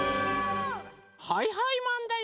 はいはいマンだよ！